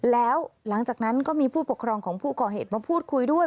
แล้วหลังจากนั้นก็มีผู้ปกครองของผู้ก่อเหตุมาพูดคุยด้วย